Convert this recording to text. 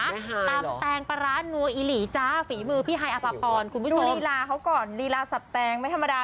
ก็ไม่เป็นหมดค่ะฝีมือพี่ไฮอภาพรดูลีลาครูกรแก่ข้อก่อนไม่ธรรมดา